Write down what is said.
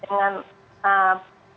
dengan penerapan seperti ini